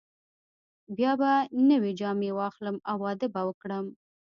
بیا به نوې جامې واخلم او واده به وکړم.